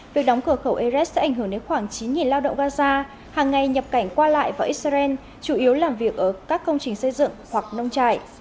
việc đóng cửa khẩu eres sẽ ảnh hưởng đến khoảng chín lao động gaza hàng ngày nhập cảnh qua lại vào israel chủ yếu làm việc ở các công trình xây dựng hoặc nông trại